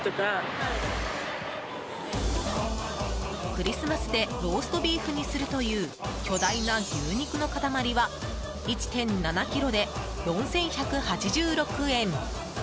クリスマスでローストビーフにするという巨大な牛肉の塊は１７ｋｇで４１８６円。